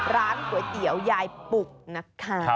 ร้านก๋วยเตี๋ยวยายปุกนะคะ